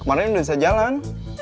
kemarin udah bisa jalan